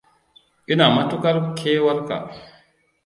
Ina matuƙar kewarka.